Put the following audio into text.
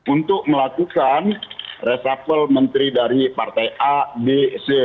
untuk melakukan resapel menteri dari partai a b c